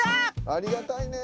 ありがたいね。